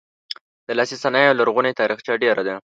د لاسي صنایعو لرغونې تاریخچه ډیره ده.